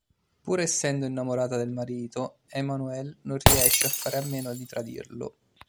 Pur essendo innamorata del marito, Emmanuelle non riesce a fare a meno di tradirlo.